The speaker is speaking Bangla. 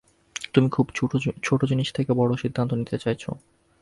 তুমি খুব ছোট জিনিস থেকে বড় সিদ্ধান্ত নিতে চাইছ।